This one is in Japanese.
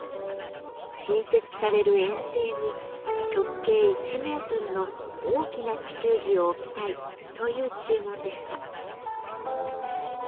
新設される園庭に直径１メートルの大きな地球儀を置きたいという注文でした。